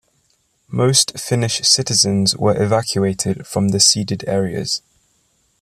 Most Finnish citizens were evacuated from the ceded areas.